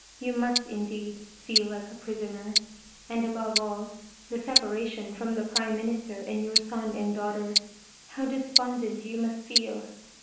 You must, indeed, feel like a prisoner and above all, the separation from the Prime Minister, and your son and daughter. How despondent you must feel